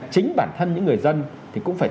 chính bản thân những người dân thì cũng phải